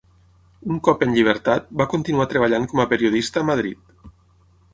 Un cop en llibertat va continuar treballant com a periodista a Madrid.